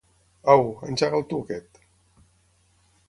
Au, engega'l tu, aquest.